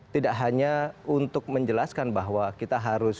tidak hanya untuk menjelaskan bahwa kita harus